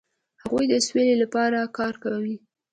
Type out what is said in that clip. هغوی د سولې لپاره کار کاوه.